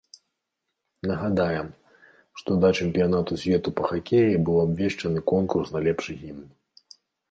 Нагадаем, што да чэмпіянату свету па хакеі быў абвешчаны конкурс на лепшы гімн.